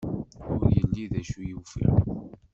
Ur yelli d acu i ufiɣ.